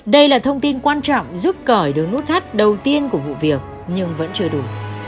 đây là thông tin quan trọng giúp cởi đường nút thắt đầu tiên của vụ việc nhưng vẫn chưa đủ